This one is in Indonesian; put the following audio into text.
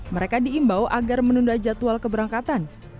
mereka diimbau agar menunda jadwal keberangkatan